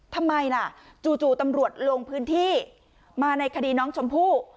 ทำไมล่ะจู่ตำรวจลงพื้นที่มาในคดีน้องชมพู่